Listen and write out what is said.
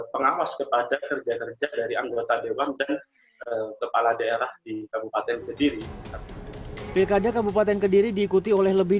pengawas kepada kerja kerja dari anggota dewan dan kepala daerah di kabupaten kediri pilkada kabupaten kediri diikuti oleh lebih